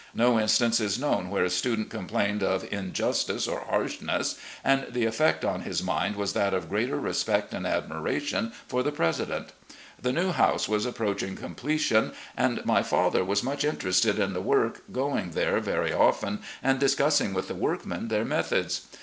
No instance is known where a stu dent complained of injustice or harshness, and the effect on his mind was that of greater respect and admiration for the president. 'The new house was approaching completion, and my father was much interested in the work, going there very often and discussing with the workmen their methods.